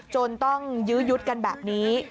จนต้องยื้อยุดกันแบบนี้